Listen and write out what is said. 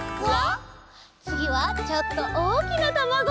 つぎはちょっとおおきなたまご！